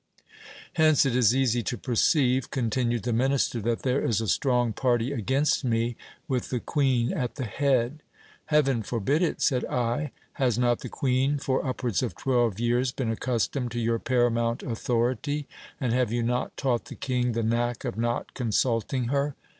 Hence it is easy to perceive, continued the minister, that there is a strong party against me, with the queen at the head. Heaven forbid it, said I. Has not the queen for upwards of twelve years been accustomed to your paramount authority, and have you not taught the king the knack of not considting her